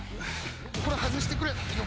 これ外してくれ横。